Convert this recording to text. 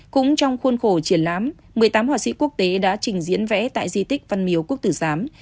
cũng trong khuôn khổ triển lãm một mươi tám họa sĩ quốc tế đã trình diễn vẽ tại di tích văn miếu quốc tử giám